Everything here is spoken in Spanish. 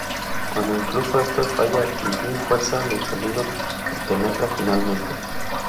Cuando incluso esto falla, Tin-Tin fuerza el encendido y penetra finalmente.